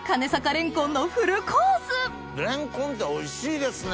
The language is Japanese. レンコンっておいしいですね！